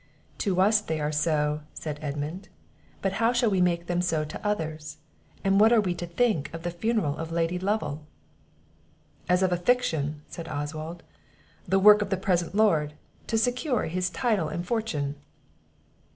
"To us they are so," said Edmund; "but how shall we make them so to others? and what are we to think of the funeral of Lady Lovel?" "As of a fiction," said Oswald; "the work of the present lord, to secure his title and fortune."